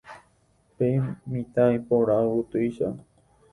Pe mitã iporã yvotýicha.